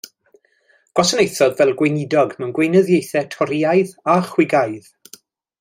Gwasanaethodd fel gweinidog mewn gweinyddiaethau Torïaidd a Chwigaidd.